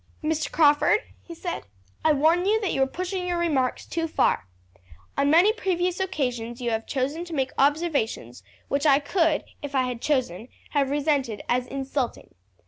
"Mr. Crawford," he said, "I warn you that you are pushing your remarks too far. On many previous occasions you have chosen to make observations which I could, if I had chosen, have resented as insulting.